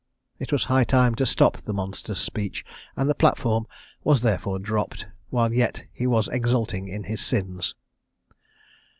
It was high time to stop the monster's speech, and the platform was therefore dropped, while yet he was exulting in his sins!